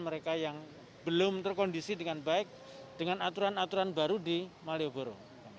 mereka yang belum terkondisi dengan baik dengan aturan aturan baru di malioboro